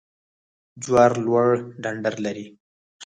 جوار لوړ ډنډر لري